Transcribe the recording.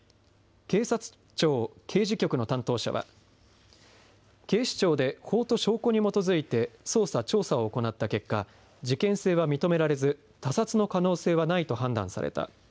警察庁刑事局の担当者は警視庁で法と証拠に基づいて捜査・調査を行った結果、事件性は認められず、他殺の可能性はないと判断された。